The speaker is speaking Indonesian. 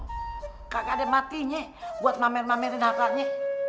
kakak ada matinya buat pamer pamerin hak haknya